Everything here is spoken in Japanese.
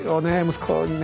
息子にね